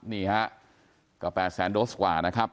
นี่ฮะก็๘แสนโดสกว่านะครับ